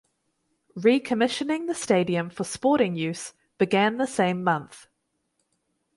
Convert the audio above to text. Recommissioning the stadium for sporting use began the same month.